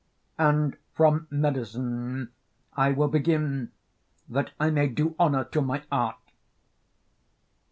And from medicine I will begin that I may do honour to my art.